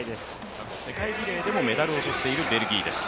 過去世界リレーでもメダルをとっているベルギーです。